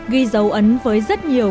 ghi dấu ấn với rất nhiều